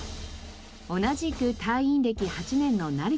同じく隊員歴８年の成田さん。